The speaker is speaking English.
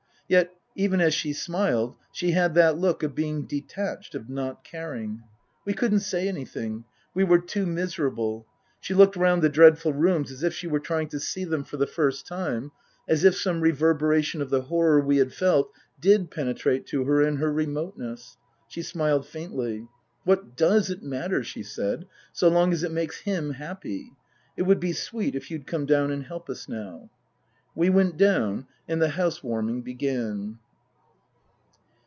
Yet, even as she smiled, she had that look of being detached, of not caring. We couldn't say anything we were too miserable. She looked round the dreadful rooms as if she were trying to see them for the first time, as if some reverberation of the horror we had felt did penetrate to her in her remote ness. She smiled faintly. " What does it matter," she said, " so long as it makes him happy ? It would be sweet if you'd come down and help us now." We went down, and the house warming began.